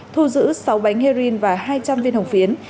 thu giữ sáu bánh heroin và hai trăm linh viên hồng phiến